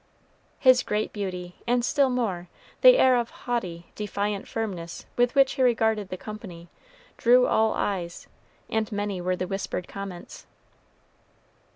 His great beauty, and, still more, the air of haughty, defiant firmness with which he regarded the company, drew all eyes, and many were the whispered comments.